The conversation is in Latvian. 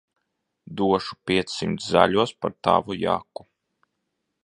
Došu piecsimt zaļos par tavu jaku.